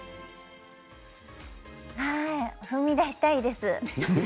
踏み出したいです。